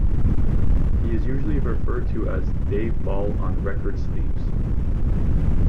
He is usually referred to as Dave Ball on record sleeves.